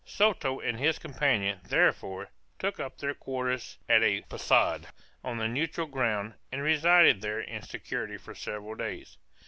Soto and his companion, therefore, took up their quarters at a Posade on the neutral ground, and resided there in security for several days.